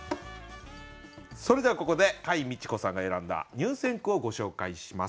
それではここで櫂未知子さんが選んだ入選句をご紹介します。